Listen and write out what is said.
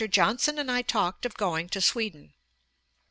Johnson and I talked of going to Sweden.'